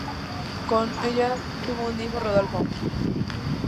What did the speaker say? Con ella tuvo un hijo, Rodolfo.